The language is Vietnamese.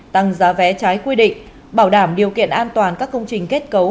tăng giá vé trái quy định bảo đảm điều kiện an toàn các công trình kết cấu